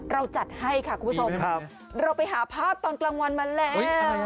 เราจัดให้ค่ะคุณผู้ชมเราไปหาภาพตอนกลางวันมาแล้ว